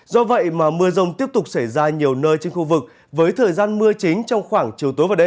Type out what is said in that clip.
do vậy mà mưa rông tiếp tục xảy ra nhiều nơi trên khu vực với thời gian mưa chính trong khoảng chiều tối và đêm